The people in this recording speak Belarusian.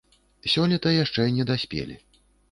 Сёлета яшчэ не даспелі.